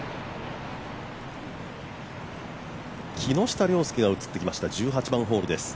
木下稜介が映ってきました１８番ホールです。